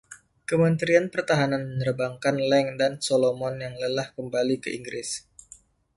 Kementerian Pertahanan menerbangkan Lang dan Solomon yang lelah kembali ke Inggris.